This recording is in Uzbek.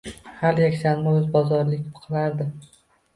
Har yakshanba oʻzi bozorlik qilardi.